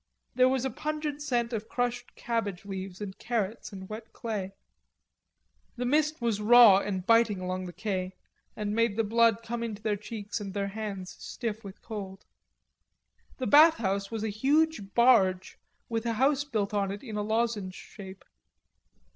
There was a pungent scent of crushed cabbage leaves and carrots and wet clay. The mist was raw and biting along the quais, and made the blood come into their cheeks and their hands stiff with cold. The bathhouse was a huge barge with a house built on it in a lozenge shape.